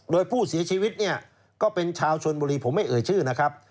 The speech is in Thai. โดยผู้เสียชีวิตเนี่ยก็เป็นชาวชนบุรีผมไม่เอ่ยชื่อนะครับ